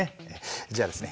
じゃあですね